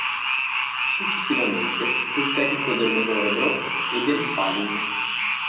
Successivamente, fu il tecnico dell'Örebro e del Falun.